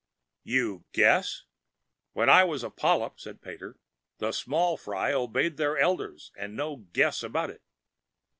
"You guess! When I was a polyp," said Pater, "the small fry obeyed their elders, and no guess about it!"